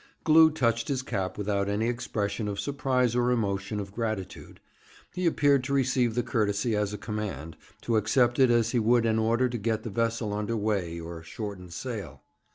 Glew touched his cap without any expression of surprise or emotion of gratitude. He appeared to receive the courtesy as a command, to accept it as he would an order to get the vessel under weigh or shorten sail.